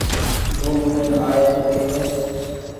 ڊونڊ ڊونڊين آئي تو ڪيوي